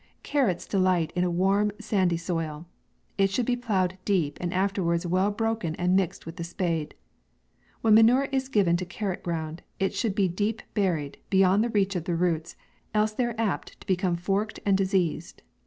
Carrots delight in a warm, sandy soil ; it should be ploughed deep, and afterwards well broken and mixt with the spade. When manure is given to carrot ground, it should be deep buried, beyond the reach of the roots, else they are apt to become forked and diseased.